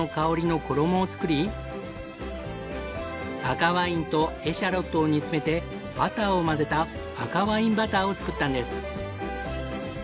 赤ワインとエシャロットを煮詰めてバターを混ぜた赤ワインバターを作ったんです。